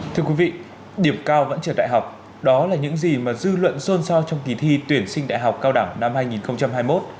thưa quý vị điểm cao vẫn trượt đại học đó là những gì mà dư luận xôn xao trong kỳ thi tuyển sinh đại học cao đẳng năm hai nghìn hai mươi một